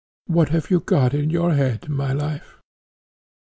What have you got in your head, my life?"